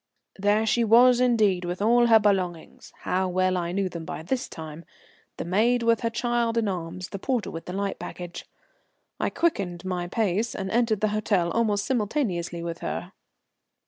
There she was indeed with all her belongings. (How well I knew them by this time!) The maid with her child in arms, the porter with the light baggage. I quickened my pace and entered the hotel almost simultaneously with her.